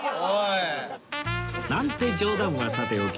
なんて冗談はさておき